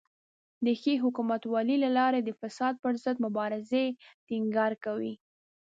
د ښې حکومتولۍ له لارې د فساد پر ضد مبارزې ټینګار کوي.